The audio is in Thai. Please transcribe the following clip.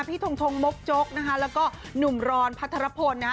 ทงทงมกจกนะคะแล้วก็หนุ่มรอนพัทรพลนะฮะ